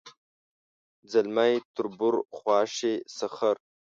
ځلمی تربور خواښې سخر